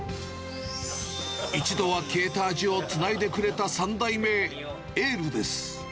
一度は消えた味をつないでくれた３代目へエールです。